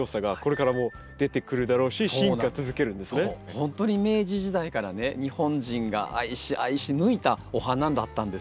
ほんとに明治時代からね日本人が愛し愛し抜いたお花だったんですよね。